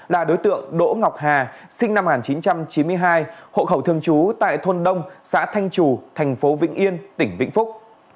là đối tượng đỗ ngọc hà sinh năm một nghìn chín trăm chín mươi hai hộ khẩu thường trú tại thôn đông xã thanh trù thành phố vĩnh yên tỉnh vĩnh phúc